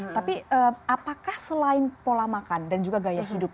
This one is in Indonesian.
tapi apakah selain pola makan dan juga gaya hidup